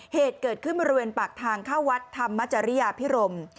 เหตุเกิดขึ้นบริเวณปากทางเข้าวัดธรรมจริยาพิรม